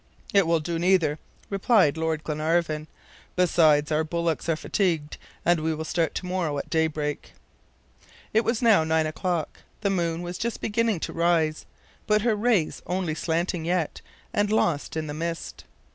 "It will do neither," replied Lord Glenarvan. "Besides, our bullocks are fatigued, and we will start to morrow at daybreak." It was now nine o'clock; the moon was just beginning to rise, but her rays were only slanting yet, and lost in the mist.